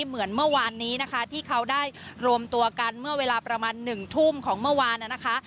เหมือนเมื่อวานนี้นะคะที่เขาได้รวมตัวกันเมื่อเวลาประมาณ๑ทุ่มของเมื่อวานนะคะ